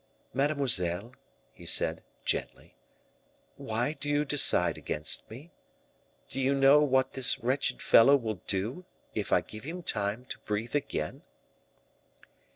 "Mademoiselle," he said, gently, "why do you decide against me? Do you know what this wretched fellow will do, if I give him time to breathe again?"